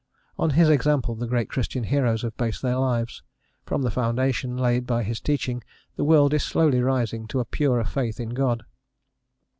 On his example the great Christian heroes have based their lives: from the foundation laid by his teaching the world is slowly rising to a purer faith in God.